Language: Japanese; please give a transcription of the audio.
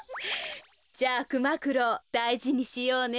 じゃあくまくろうだいじにしようね。